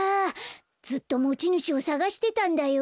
ずっともちぬしをさがしてたんだよ。